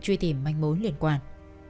truy tìm manh mối liên quan